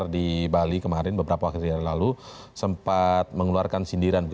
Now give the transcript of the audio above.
di bali kemarin beberapa hari lalu sempat mengeluarkan sindiran